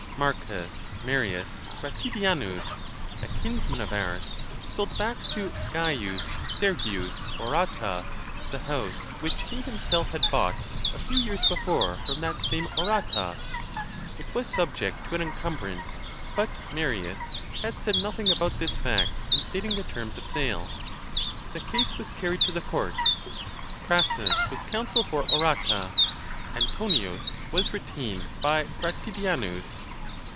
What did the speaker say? Marcus Marius Gratidianus, a kinsman of ours^ sold back to Gaius Sergius Orata the house which he himself had bought a few years before from that same Orata. It was subject to an encumbrance^ but Marius had said notliing about this fact in stating the terms of sale. The case was cai ried to the courts. Crassus was counsel for Orata; Antonius was retained by Grati dianus.